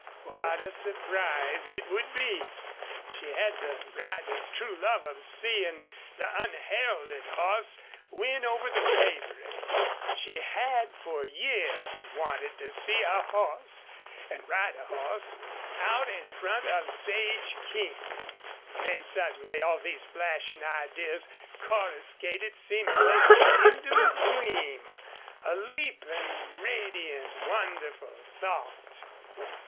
What a surprise it would be! She had the rider's true love of seeing the unheralded horse win over the favorite. She had for years wanted to see a horse and ride a horse out in front of Sage King. Then suddenly all these flashing ideas coruscated seemingly into a gleam a leaping, radiant, wonderful thought.